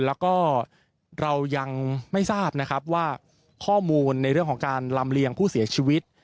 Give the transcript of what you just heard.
แล้วก็เรายังไม่ทราบนะครับว่าข้อมูลในเรื่องของการลำเลียงผู้เสียชีวิต